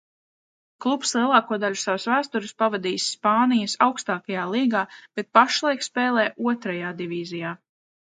Klubs lielāko daļu savas vēstures pavadījis Spānijas augstākajā līgā, bet pašlaik spēlē Otrajā divīzijā.